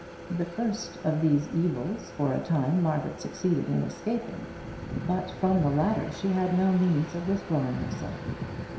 The first of these evils for a time Margaret succeeded in escaping, but from the latter she had no means of withdrawing herself.